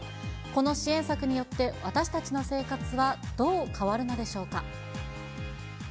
この支援策によって、私たちの生活はどう変わるのでしょうか。